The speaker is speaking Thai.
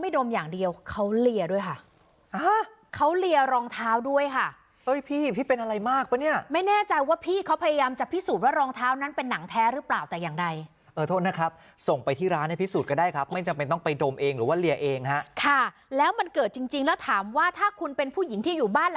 ไม่ดมอย่างเดียวเขาเลียด้วยค่ะเขาเลียรองเท้าด้วยค่ะเอ้ยพี่พี่เป็นอะไรมากปะเนี่ยไม่แน่ใจว่าพี่เขาพยายามจะพิสูจน์ว่ารองเท้านั้นเป็นหนังแท้หรือเปล่าแต่อย่างใดเออโทษนะครับส่งไปที่ร้านให้พิสูจนก็ได้ครับไม่จำเป็นต้องไปดมเองหรือว่าเลียเองฮะค่ะแล้วมันเกิดจริงแล้วถามว่าถ้าคุณเป็นผู้หญิงที่อยู่บ้าน